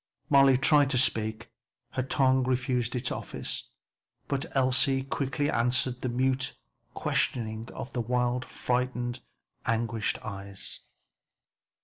Molly tried to speak; her tongue refused its office, but Elsie quickly answered the mute questioning of the wild, frightened, anguished eyes.